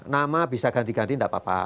nama bisa ganti ganti tidak apa apa